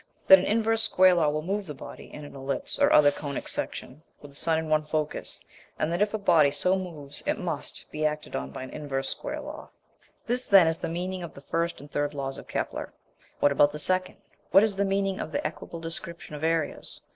that an inverse square law will move the body in an ellipse or other conic section with the sun in one focus, and that if a body so moves it must be acted on by an inverse square law. [Illustration: FIG. 59.] This then is the meaning of the first and third laws of Kepler. What about the second? What is the meaning of the equable description of areas?